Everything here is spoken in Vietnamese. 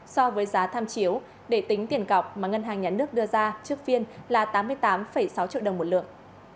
so với giá tham chiếu để tính tiền cọc mà ngân hàng nhà nước đưa ra trước phiên là tám mươi tám sáu triệu đồng một lượng